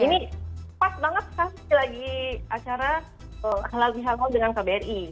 ini pas banget pasti lagi acara halal bihalal dengan kbri